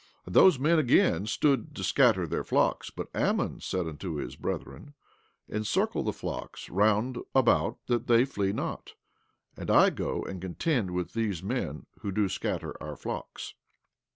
17:33 And those men again stood to scatter their flocks; but Ammon said unto his brethren: Encircle the flocks round about that they flee not; and I go and contend with these men who do scatter our flocks.